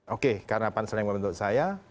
oke karena pansel yang membentuk saya